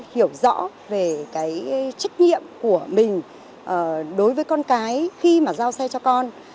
hiểu rõ về cái trách nhiệm của mình đối với con cái khi mà giao xe cho con